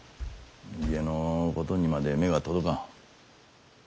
家のことにまで目が届かん。